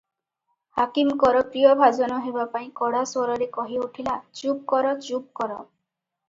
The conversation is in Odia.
ହାକିମଙ୍କର ପ୍ରିୟଭାଜନ ହେବାପାଇଁ କଡ଼ା ସ୍ୱରରେ କହି ଉଠିଲା, "ଚୁପ୍ କର ଚୁପ୍ କର ।"